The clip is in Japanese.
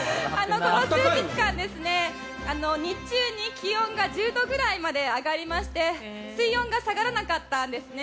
この数日間、日中に気温が１０度くらいまで上がりまして水温が下がらなかったんですね。